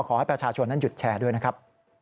ขอให้ประชาชนนั้นหยุดแชร์ด้วยนะครับ